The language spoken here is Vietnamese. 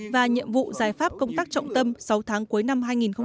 và nhiệm vụ giải pháp công tác trọng tâm sáu tháng cuối năm hai nghìn một mươi tám